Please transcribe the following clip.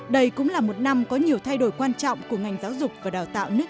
đây cũng là một năm có nhiều thay đổi quan trọng của ngành giáo dục và đào tạo